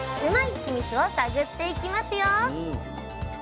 ヒミツを探っていきますよ！